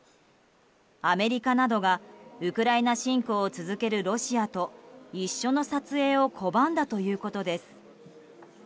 アメリカなどがウクライナ侵攻を続けるロシアと一緒の撮影を拒んだということです。